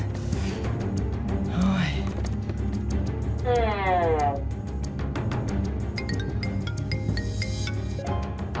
ยกเลิกเหรอพี่